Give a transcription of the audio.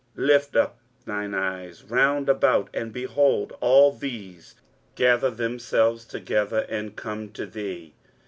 23:049:018 Lift up thine eyes round about, and behold: all these gather themselves together, and come to thee.